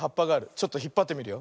ちょっとひっぱってみるよ。